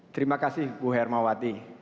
terima kasih bu hermawati